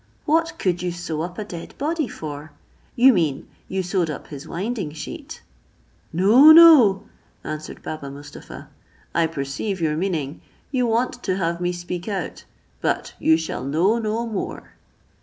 "What could you sew up a dead body for? You mean, you sewed up his winding sheet." "No, no," answered Baba Mustapha, "I perceive your meaning; you want to have me speak out, but you shall know no more."